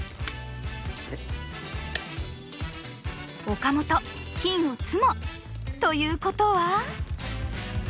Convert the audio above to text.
岡本金をツモ。ということは。